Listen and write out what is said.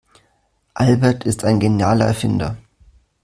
Albert ist ein genialer Erfinder.